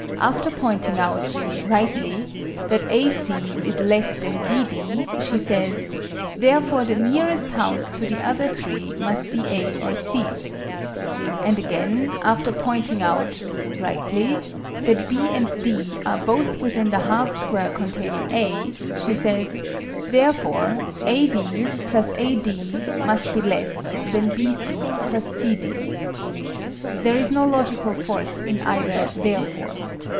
After pointing out (rightly) that AC is less than BD she says, "therefore the nearest house to the other three must be A or C." And again, after pointing out (rightly) that B and D are both within the half square containing A, she says "therefore" AB + AD must be less than BC + CD. (There is no logical force in either "therefore."